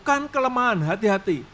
ini kelemahan hati hati